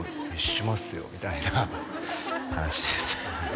「しますよ」みたいな話です